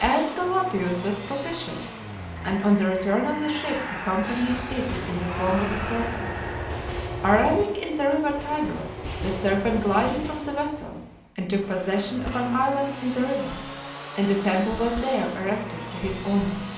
Aesculapius was propitious, and on the return of the ship accompanied it in the form of a serpent. Arriving in the river Tiber, the serpent glided from the vessel and took possession of an island in the river, and a temple was there erected to his honor.